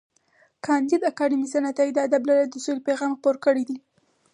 کانديد اکاډميسن عطايي د ادب له لارې د سولې پیغام خپور کړی دی.